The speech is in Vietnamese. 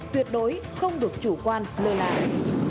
tuyệt đối không được chủ quan lơ lại